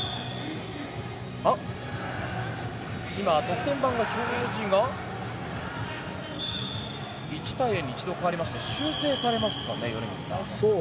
今、得点板の表示が１対０に一度変わりまして修正されますかね、米満さん。